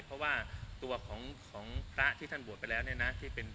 เพราะว่าตัวของพระที่ท่านบวชไปแล้วเนี่ยนะที่เป็น